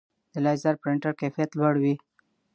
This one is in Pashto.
د لیزر پرنټر کیفیت لوړ وي.